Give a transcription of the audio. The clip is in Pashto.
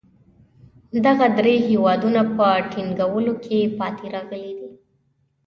دغه درې هېوادونه په ټینګولو کې پاتې راغلي دي.